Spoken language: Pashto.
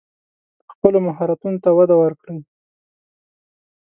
خپلو مهارتونو ته وده ورکړئ.